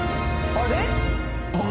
あれ？